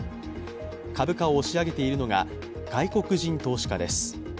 株価を押し上げているのが外国人投資家です。